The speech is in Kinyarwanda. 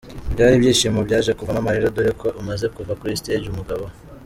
ibyari ibyishimo byaje kuvamo amarira dore ko amaze kuva kuri stage umugabo we.